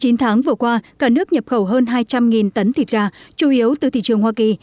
trong chín tháng vừa qua cả nước nhập khẩu hơn hai trăm linh tấn thịt gà chủ yếu từ thị trường hoa kỳ